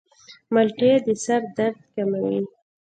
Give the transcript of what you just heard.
مالټې د سر درد کموي.